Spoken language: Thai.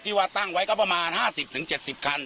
ว่าตั้งไว้ก็ประมาณ๕๐๗๐คัน